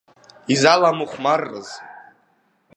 Изаламыхәмаррыз.